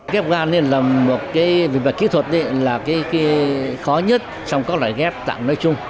ghép gan là một cái vì mặt kỹ thuật là cái khó nhất trong các loại ghép tặng nói chung